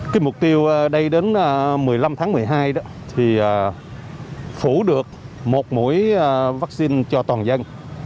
cái mục tiêu đây đến một mươi năm tháng một mươi hai đó thì phủ được một mũi vaccine cho toàn dân